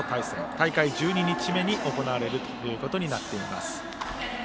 大会１２日目に行われるということになっています。